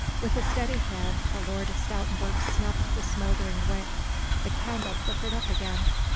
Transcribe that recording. With a steady hand the Lord of Stoutenburg snuffed the smouldering wick, the candle flickered up again.